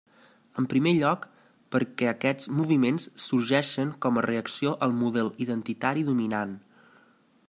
En primer lloc, perquè aquests moviments sorgeixen com a reacció al model identitari dominant.